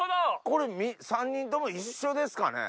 これ３人とも一緒ですかね？